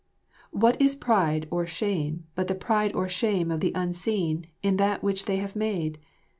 What is our pride or shame but the pride or shame of the unseen in that which they have made?